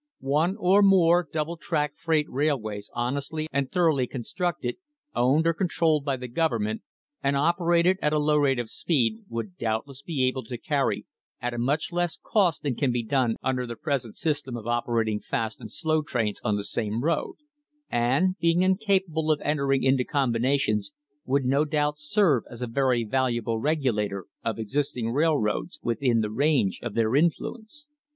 One or more double track freight railways honestly and thoroughly constructed, owned or controlled by the government, and operated at a low rate of speed, would doubtless be able to carry at a much less cost than can be done under the present system of operating fast and slow trains on the same road; and, being incapable of entering into combinations, would no doubt serve as a very valuable regulator of existing railroads within the range of their influence.